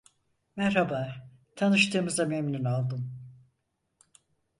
Merhaba, tanıştığımıza memnun oldum.